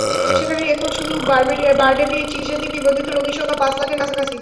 সেখানে এখন শুধু বারডেমেই চিকিৎসাধীন নিবন্ধিত রোগীর সংখ্যা পাঁচ লাখের কাছাকাছি।